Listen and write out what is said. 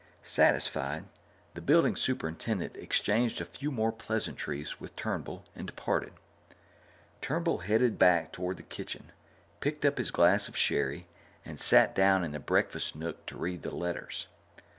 Satisfied, the building superintendent exchanged a few more pleasantries with Turnbull and departed. Turnbull headed back toward the kitchen, picked up his glass of sherry, and sat down in the breakfast nook to read the letters.